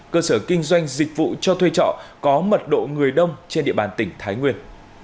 cơ sở kinh doanh dịch vụ cho thuê trọ có mật độ người đông trên địa bàn tỉnh thái nguyên